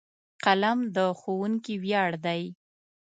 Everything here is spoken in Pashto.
قلم د ښوونکي ویاړ دی.